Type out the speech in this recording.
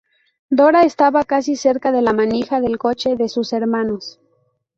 Dora estaba casi cerca de la manija del coche de sus hermanos.